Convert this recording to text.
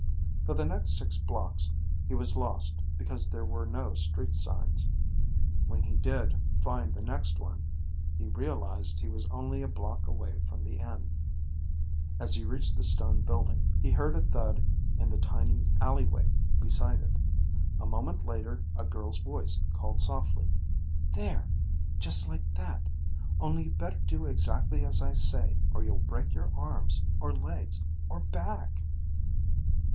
For the next six blocks he was lost because there were no street signs. When he did find the next one, he realized he was only a block away from the inn. As he reached the stone building, he heard a thud in the tiny alleyway beside it. A moment later a girl's voice called softly, "There. Just like that. Only you better do exactly as I say or you'll break your arms or legs, or back."